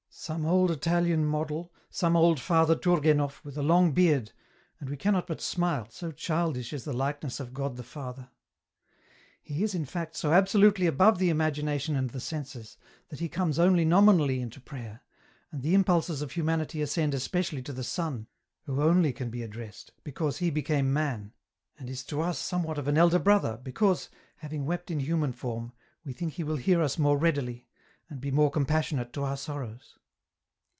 Some old Italian model, some old Father TourgdnefF, with a long beard, and we cannot but smile, so childish is the likeness of God the Father. " He is, in fact, so absolutely above the imagination and the senses, that He comes only nominally into prayer, and the impulses of humanity ascend especially to the Son, Who only can be addressed, because He became man, and is to us somewhat of an elder brother, because, having wept in human form, we think He will hear us more readily, and be more compassionate to our sorrows.